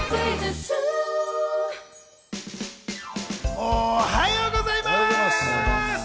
おはようございます。